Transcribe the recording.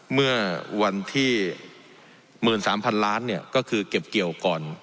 เมื่อวันที่๑๓๐๐๐ล้านก็คือเก็บเกี่ยวก่อน